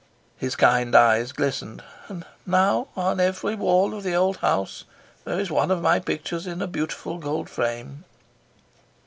His kind eyes glistened. "And now on every wall of the old house there is one of my pictures in a beautiful gold frame."